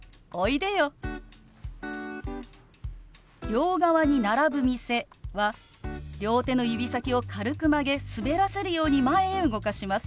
「両側に並ぶ店」は両手の指先を軽く曲げ滑らせるように前へ動かします。